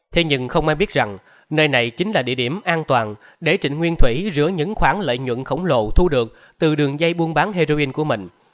thế nhưng không ai biết rằng nơi này chính là địa điểm an toàn để trịnh nguyên thủy rửa những khoản lợi nhuận khổng lồ thu được từ đường dây buôn bán heroin của mình